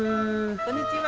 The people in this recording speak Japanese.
こんにちは。